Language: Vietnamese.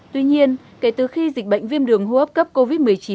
tuy nhiên kể từ khi dịch bệnh viêm đường hô hấp cấp covid một mươi chín